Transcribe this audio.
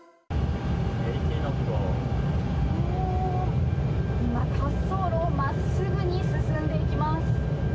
おー、今、滑走路をまっすぐに進んでいきます。